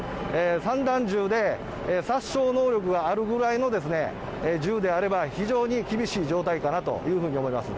散弾銃で殺傷能力があるぐらいの銃であれば、非常に厳しい状態かなというふうに思います。